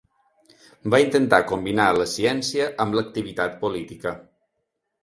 Va intentar combinar la ciència amb l'activitat política.